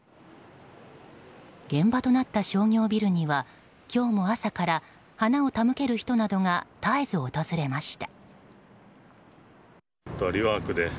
現場となった商業ビルには今日も朝から花を手向ける人などが絶えず訪れました。